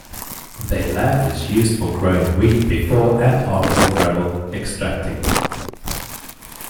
Their land is used for growing wheat before and after gravel extracting.